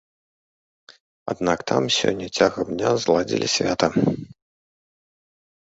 Аднак там сёння цягам дня зладзілі свята.